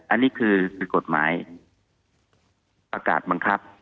อันนี้คือกฎหมายประกาศบังคับ